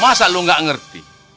masa lu gak ngerti